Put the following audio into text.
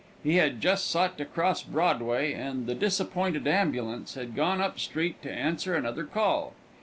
He had just sought to cross Broadway, and the disappointed ambulance had gone up street to answer another call.